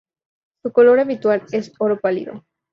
Su color habitual es oro pálido.